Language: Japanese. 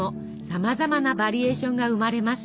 さまざまなバリエーションが生まれます。